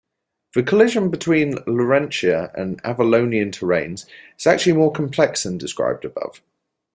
The collision between Laurentia and Avalonian terranes is actually more complex than described above.